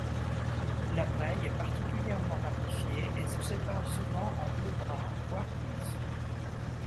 La Braye est particulièrement ramifiée et se sépare souvent en deux bras voire plus.